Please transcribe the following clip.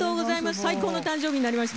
最高の誕生日になりました。